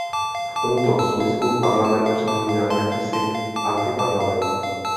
V tomto smyslu Parlament připomíná jakýsi antiparlament.